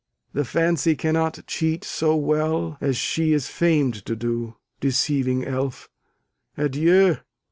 the fancy cannot cheat so well As she is famed to do, deceiving elf. Adieu!